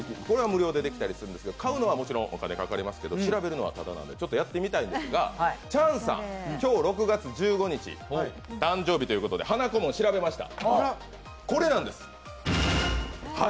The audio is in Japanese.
これは無料でできたりします、買うのはもちろんお金がかかるんですが、調べるのは、ただなのでちょっとやってみたいんですがチャンさん、今日６月１５日誕生日ということで花個紋、調べました。